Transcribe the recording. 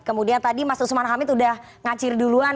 kemudian tadi mas usman hamid udah ngacir duluan